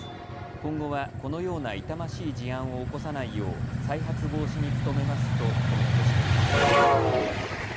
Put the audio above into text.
今後はこのような痛ましい事案を起こさないよう再発防止に努めますとコメントしています。